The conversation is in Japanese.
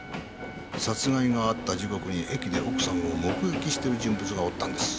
殺害があった時刻に駅で奥さんを目撃している人物がおったんです。